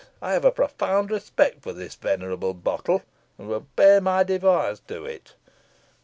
I have a profound respect for the venerable bottle, and would pay my devoirs to it.